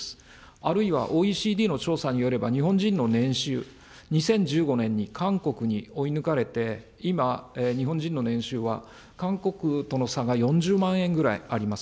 あるいはＯＥＣＤの調査によれば日本人の年収、２０１５年に韓国に追い抜かれて、今、日本人の年収は韓国との差が４０万円ぐらいあります。